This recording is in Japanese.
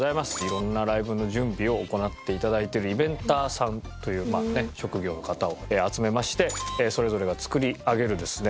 色んなライブの準備を行って頂いてるイベンターさんという職業の方を集めましてそれぞれが作り上げるですね